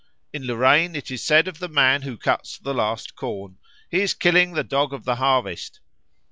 In Lorraine it is said of the man who cuts the last corn, "He is killing the Dog of the harvest."